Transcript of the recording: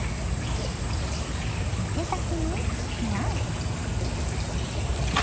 店先にニャン。